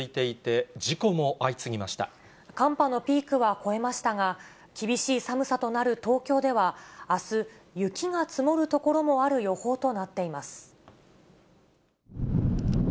寒波のピークは超えましたが、厳しい寒さとなる東京では、あす、雪が積もる所もある予報となっています。